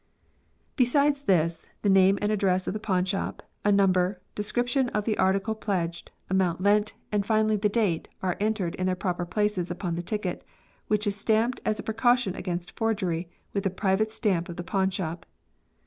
Besides this, the name and address of the pawnshop, a number, description of the article pledged, amount lent, and finally the date, are entered in their proper places upon the ticket, which is stamped as a precaution against forgery with the private stamp of the pawnshop.